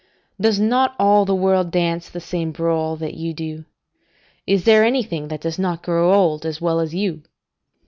] "Does not all the world dance the same brawl that you do? Is there anything that does not grow old, as well as you?